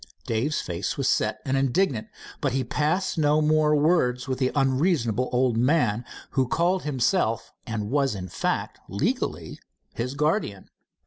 Dave's face was set and indignant, but he passed no more words with the unreasonable old man who called himself, and was in fact, legally his guardian.